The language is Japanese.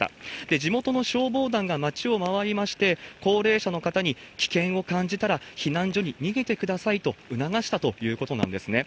地元の消防団が町を回りまして、高齢者の方に、危険を感じたら避難所に逃げてくださいと促したということなんですね。